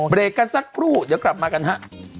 เบรกกันสักครู่เดี๋ยวกลับมากันฮะ